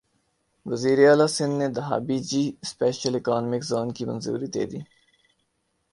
وزیراعلی سندھ نے Dhabeji special economic zone کی منظوری دیدی